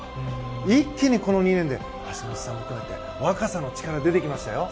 一気にこの２年で橋本さんを含めて若さの力が出てきましたよ。